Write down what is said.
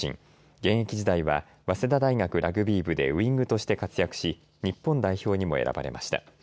現役時代は早稲田大学ラグビー部でウイングとして活躍し日本代表にも選ばれました。